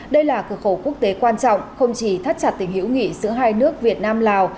đây là cửa khẩu quốc tế quan trọng không chỉ thắt chặt tình hữu nghị giữa hai nước việt nam lào